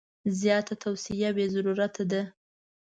زیاته توصیه بې ضرورته ده.